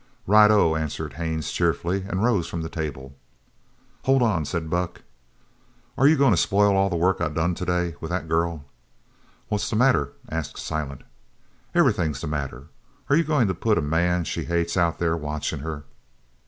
"Right O," answered Haines cheerfully, and rose from the table. "Hold on," said Buck. "Are you goin' to spoil all the work I done today with that girl?" "What's the matter?" asked Silent. "Everything's the matter! Are you goin' to put a man she hates out there watchin' her."